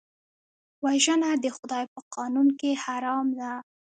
وژنه د خدای په قانون کې حرام ده